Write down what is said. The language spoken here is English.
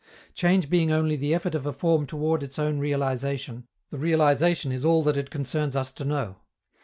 Change being only the effort of a form toward its own realization, the realization is all that it concerns us to know.